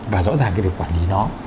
và rõ ràng cái việc quản lý nó